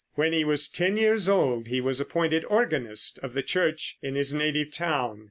When he was ten years old he was appointed organist of the Church in his native town.